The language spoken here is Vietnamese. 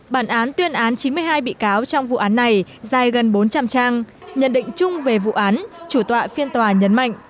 bản án tuyên án chín mươi hai bị cáo trong vụ án này dài gần bốn trăm linh trang nhận định chung về vụ án chủ tọa phiên tòa nhấn mạnh